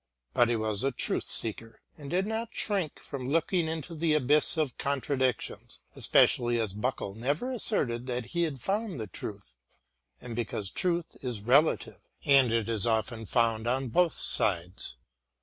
But he was a truth seeker and did not shrink from looking into the abyss of contradictions, especially as Buckle never asserted that he had found the truth, and because truth is relative and it is often found on both sides.